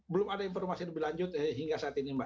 belum ada informasi lebih lanjut hingga saat ini mbak